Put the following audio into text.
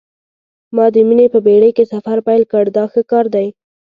ما د مینې په بېړۍ کې سفر پیل کړ دا ښه کار دی.